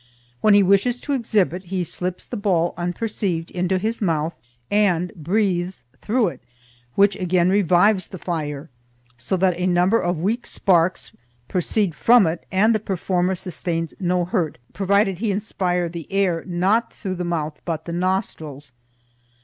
When he wishes to exhibit he slips the ball unperceived into his mouth, and breathes through it; which again revives the fire, so that a number of weak sparks proceed from it; and the performer sustains no hurt, provided he inspire the air not through the mouth, but the nostrils.